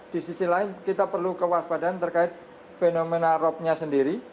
di sisi lain kita perlu kewaspadaan terkait fenomena robnya sendiri